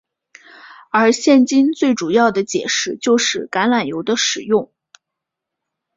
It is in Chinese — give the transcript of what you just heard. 而现今最主要的解释就是橄榄油的使用。